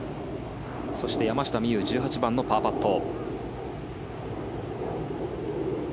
そして山下美夢有１８番のパーパット。